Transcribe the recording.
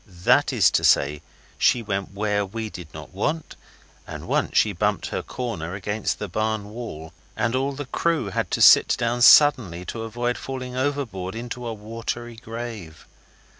That is to say, she went where we did not want, and once she bumped her corner against the barn wall, and all the crew had to sit down suddenly to avoid falling overboard into a watery grave.